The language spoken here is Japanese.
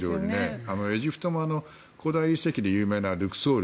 エジプトも古代遺跡で有名なルクソール。